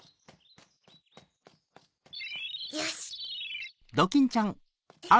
よし！